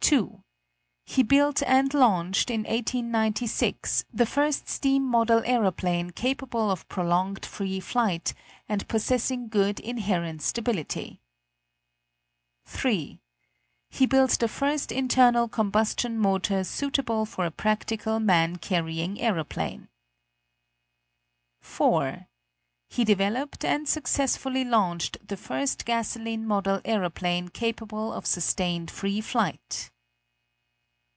2. He built and launched, in 1896, the first steam model aeroplane capable of prolonged free flight, and possessing good inherent stability. 3. He built the first internal combustion motor suitable for a practical man carrying aeroplane. 4. He developed and successfully launched the first gasoline model aeroplane capable of sustained free flight.